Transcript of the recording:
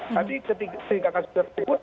tapi ketika kasus itu tersebut